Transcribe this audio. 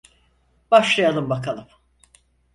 Başlayalım bakalım.